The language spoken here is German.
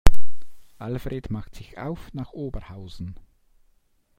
Alfred macht sich auf nach Oberhausen.